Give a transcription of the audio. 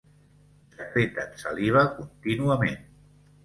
Secreten saliva contínuament.